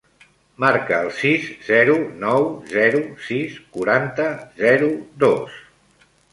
Marca el sis, zero, nou, zero, sis, quaranta, zero, dos.